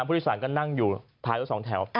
พุทธศาลก็นั่งอยู่ถ่ายรถสองแถว